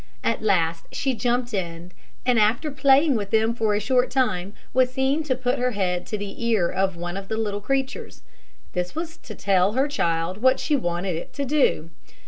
At last she jumped in, and after playing with them for a short time, was seen to put her head to the ear of one of the little creatures. This was to tell her child what she wanted it to do.